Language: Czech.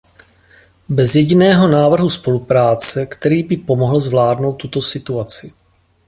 Bez jediného návrhu spolupráce, který by pomohl zvládnout tuto situaci.